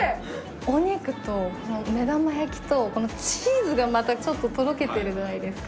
お肉と目玉焼きとこのチーズがまたちょっととろけてるじゃないですか。